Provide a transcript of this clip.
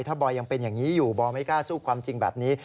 ถ้าบอยยังเป็นอย่างนี้อยู่บอยไม่กล้าสู้ความจริงแบบนี้